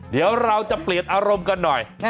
เดี๋ยวเราจะเปลี่ยนอารมณ์กันหน่อย